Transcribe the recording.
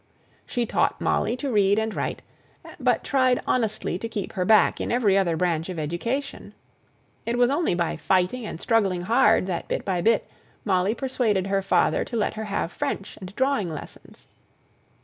She taught Molly to read and write, but tried honestly to keep her back in every other branch of education. It was only by fighting and struggling hard, that bit by bit Molly persuaded her father to let her have French and drawing lessons.